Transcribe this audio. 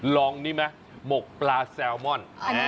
ลองนี่ไหมหมกปลาแซลมอน